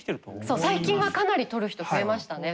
そう最近はかなり取る人増えましたね。